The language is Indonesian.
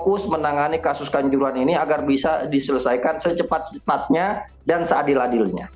fokus menangani kasus kanjuruhan ini agar bisa diselesaikan secepat cepatnya dan seadil adilnya